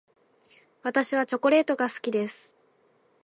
私はチョコレートが好きです。